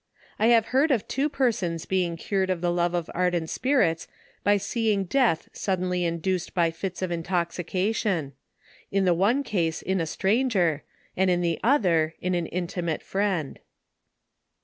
I have heard of two persons being cured of the love of ardent spirits, by seeing death suddenly induced by fits of intoxication : in the one case in a stran ger and in the other, in an intimate friend.